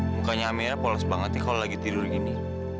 mukanya amira poles banget ya kalau lagi tidur gini